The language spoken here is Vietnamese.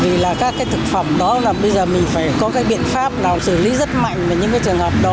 vì là các cái thực phẩm đó là bây giờ mình phải có cái biện pháp nào xử lý rất mạnh